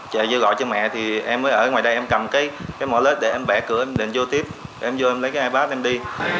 chạy vô gọi cho mẹ thì em mới ở ngoài đây em cầm cái mở lết để em vẽ cửa em đền vô tiếp em vô em lấy cái ipad em đi